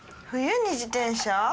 冬に自転車？